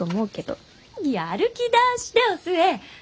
やる気出してお寿恵！